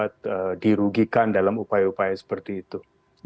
dan tidak ada yang dirugikan dalam upaya upaya seperti itu